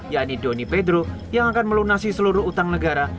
yakni doni pedro yang akan melunasi seluruh utang negara